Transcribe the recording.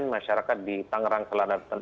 masyarakat di tangerang selatan